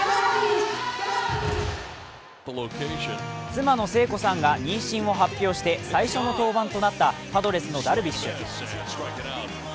妻の聖子さんが妊娠を発表して最初の登板となったパドレスのダルビッシュ。